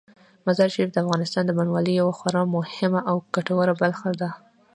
مزارشریف د افغانستان د بڼوالۍ یوه خورا مهمه او ګټوره برخه ده.